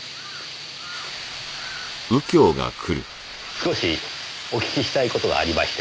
少しお聞きしたい事がありまして。